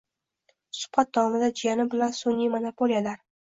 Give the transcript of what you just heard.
Suhbat davomida jiyanim bilan sunʼiy monopoliyalar